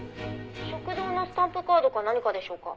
「食堂のスタンプカードか何かでしょうか？」